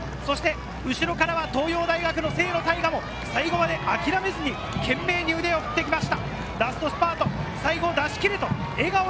後ろからは東洋大学の清野太雅も最後まで諦めずに懸命に腕を振って来ました。